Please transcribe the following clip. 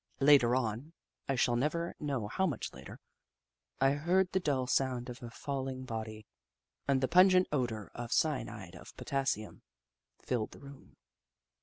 Later on — I shall never know how much later — I heard the dull sound of a falling body, and the pungent odour of cyanide of potassium filled the room.